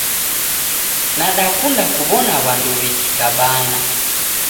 Nadakunda kuwona wandu wikikabana